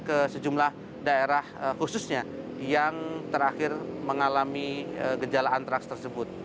ke sejumlah daerah khususnya yang terakhir mengalami gejala antraks tersebut